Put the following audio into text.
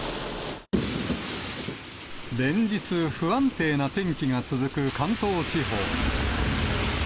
連日、不安定な天気が続く関東地方。